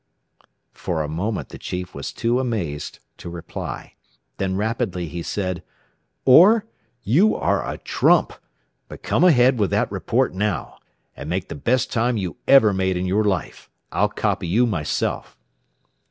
For a moment the chief was too amazed to reply. Then rapidly he said: "Orr, you are a trump! But come ahead with that report now. And make the best time you ever made in your life. I'll copy you myself."